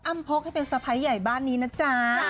พกให้เป็นสะพ้ายใหญ่บ้านนี้นะจ๊ะ